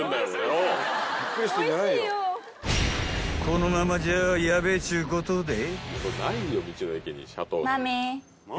［このままじゃヤベえっちゅうことで］